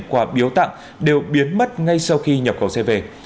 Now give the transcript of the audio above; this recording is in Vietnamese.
quả biếu tặng đều biến mất ngay sau khi nhập khẩu xe về